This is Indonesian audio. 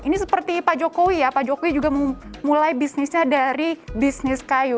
ini seperti pak jokowi ya pak jokowi juga memulai bisnisnya dari bisnis kayu